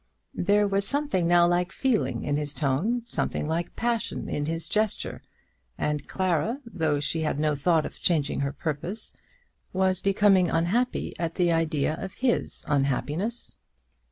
There was something now like feeling in his tone, something like passion in his gesture, and Clara, though she had no thought of changing her purpose, was becoming unhappy at the idea of his unhappiness.